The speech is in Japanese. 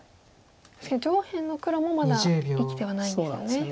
確かに上辺の黒もまだ生きてはないんですよね。